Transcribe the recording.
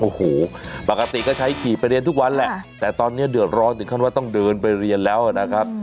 โอ้โหปกติก็ใช้ขี่ไปเรียนทุกวันแหละแต่ตอนนี้เดือดร้อนถึงขั้นว่าต้องเดินไปเรียนแล้วนะครับ